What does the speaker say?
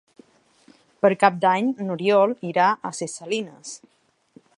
Per Cap d'Any n'Oriol irà a Ses Salines.